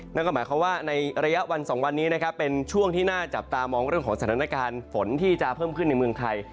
นั่นก็หมายความว่าในระยะวัน๒วันนี้นะครับเป็นช่วงที่น่าจับตามองเรื่องของสถานการณ์ฝนที่จะเพิ่มขึ้นในเมืองไทย